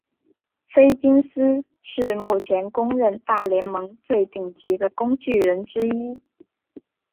菲金斯是目前公认大联盟最顶尖的工具人之一。